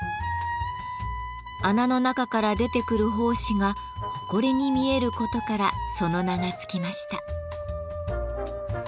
穴の中から出てくる胞子がホコリに見えることからその名が付きました。